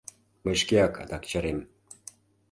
Мый шкеак адак чарем.